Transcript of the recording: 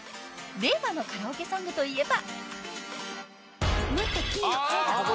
［令和のカラオケソングといえば］